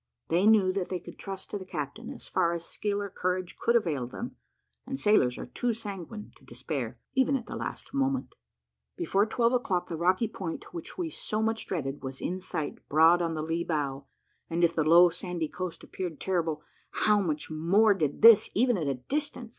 They knew that they could trust to the captain, as far as skill or courage could avail them; and sailors are too sanguine to despair, even at the last moment. Before twelve o'clock the rocky point which we so much dreaded was in sight broad on the lee bow; and if the low sandy coast appeared terrible, how much more did this, even at a distance!